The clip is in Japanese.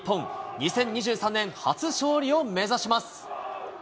２０２３年初勝利を目指します。